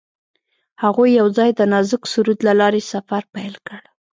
هغوی یوځای د نازک سرود له لارې سفر پیل کړ.